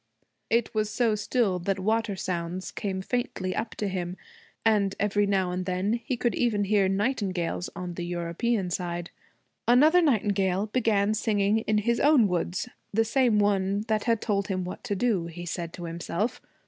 It was so still that water sounds came faintly up to him, and every now and then he could even hear nightingales on the European side. Another nightingale began singing in his own woods the same one that had told him what to do, he said to himself.